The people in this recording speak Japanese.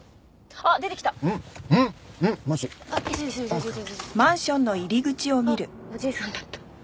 あっおじいさんだった。